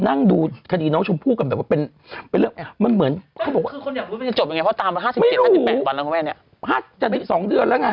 อย่างนี้จะจบยังไงเพราะตามละ๕๗๕๘วันแล้วครับแม่เนี่ยสองเดือนแล้วไง